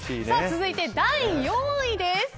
続いて、第４位です。